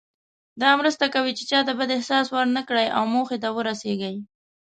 دا مرسته کوي چې چاته بد احساس ورنه کړئ او موخې ته ورسیږئ.